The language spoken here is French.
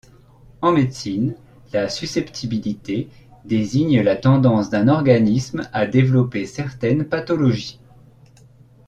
En médecine, la susceptibilité désigne la tendance d'un organisme à développer certaines pathologies.